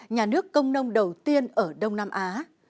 nhà nước công nông đầu tiên ở đông nam á